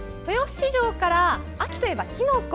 市場から秋といえば、きのこ。